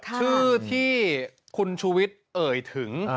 ชื่อที่คุณชูวิทย์เอ่ยถึง